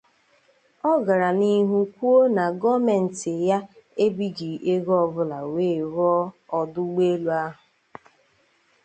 Ọ gara n'ihu kwuo na gọọmenti ya ébìghì ego ọbụla wee rụọ ọdụ ụgbọelu ahụ